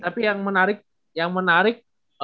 tapi yang menarik yang menarik